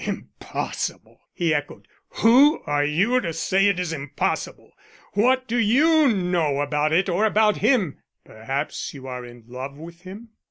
"Impossible," he echoed. "Who are you to say it is impossible? What do you know about it or about him? Perhaps you are in love with him?"